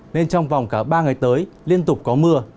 nên trong vòng cả ba ngày tới liên tục có mưa